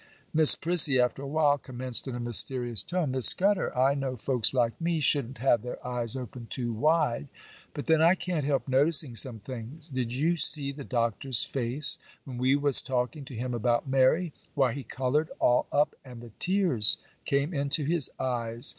Miss Prissy, after a while, commenced in a mysterious tone: 'Miss Scudder, I know folks like me shouldn't have their eyes open too wide, but then I can't help noticing some things. Did you see the Doctor's face when we was talking to him about Mary? Why, he coloured all up and the tears came into his eyes.